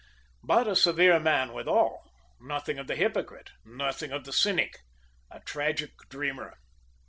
But a severe man withal; nothing of the hypocrite, nothing of the cynic. A tragic dreamer.